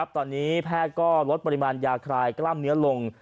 ตอนนี้แพทย์ก็ลดปริมาณยาคลายกล้ามเนื้อลง